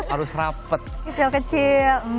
harus rapat kecil kecil